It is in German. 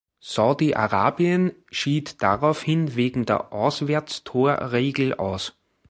Saudi-Arabien schied daraufhin wegen der Auswärtstorregel aus.